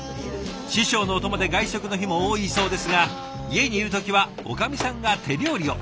師匠のお供で外食の日も多いそうですが家にいる時はおかみさんが手料理を。